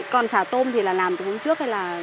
còn xà tôm thì là làm từ hôm trước hay là